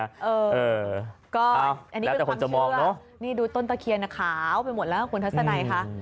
อันนี้เป็นความเชื่อนี่ดูต้นตะเคียนขาวไปหมดแล้วคุณทัศนัยคะ